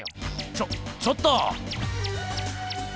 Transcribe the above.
ちょちょっと！